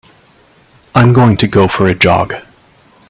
I'm going to go for a jog.